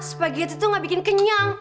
spageti tuh gak bikin kenyang